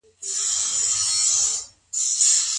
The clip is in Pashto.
د زياتو نکاحوو مصلحتونه څنګه سنجول کيږي؟